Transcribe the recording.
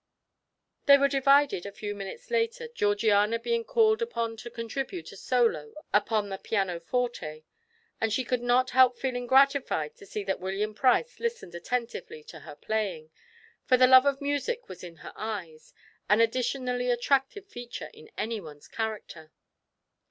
They were divided a few minutes later, Georgiana being called upon to contribute a solo upon the pianoforte, and she could not help feeling gratified to see that William Price listened attentively to her playing, for the love of music was in her eyes, an additionally attractive feature in anyone's character.